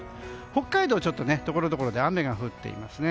北海道はところどころで雨が降っていますね。